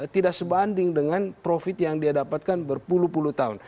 tidak sebanding dengan profit yang dia dapatkan berpuluh puluh tahun